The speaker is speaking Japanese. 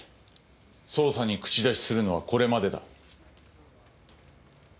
捜査に口出しするのはこれまでだ。